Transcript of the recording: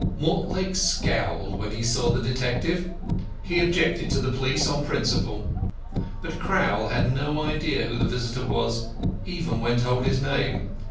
Mortlake scowled when he saw the detective. He objected to the police on principle. But Crowl had no idea who the visitor was, even when told his name.